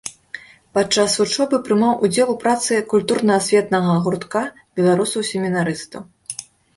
Падчас вучобы прымаў удзел у працы культурна-асветнага гуртка беларусаў-семінарыстаў.